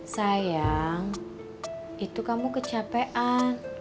sayang itu kamu kecapean